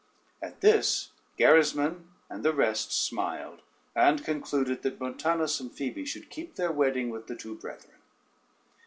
At this Gerismond and the rest smiled, and concluded that Montanus and Phoebe should keep their wedding with the two brethren.